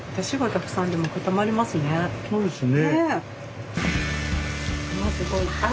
そうですね。